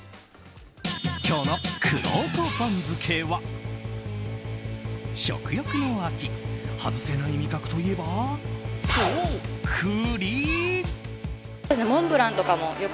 今日のくろうと番付は食欲の秋、外せない味覚といえばそう、栗。